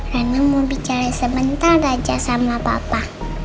rina mau bicara sebentar aja sama papa